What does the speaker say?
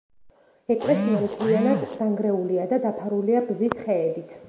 ეკლესია მთლიანად დანგრეულია და დაფარულია ბზის ხეებით.